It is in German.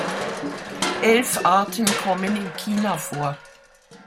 Elf Arten kommen in China vor.